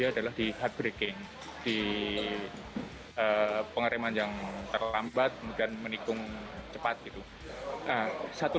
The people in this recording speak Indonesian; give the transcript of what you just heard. adalah di hardbreaking di pengereman yang terlambat kemudian menikung cepat gitu nah satu